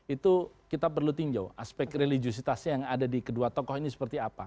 itu kita perlu tinjau aspek religiositasnya yang ada di kedua tokoh ini seperti apa